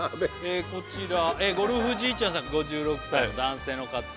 こちらゴルフじいちゃんさん５６歳の男性の方